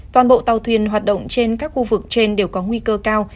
toàn bộ tàu thuyền hoạt động trên các khu vực trên đều có nguy cơ cao